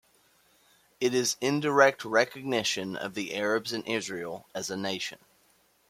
It is indirect recognition of the Arabs in Israel as a nation.